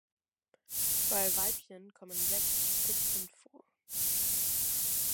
Bei Weibchen kommen sechs Zitzen vor.